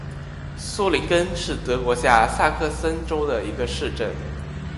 苏林根是德国下萨克森州的一个市镇。